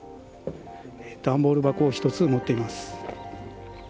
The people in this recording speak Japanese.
段ボール箱を１つ持っています。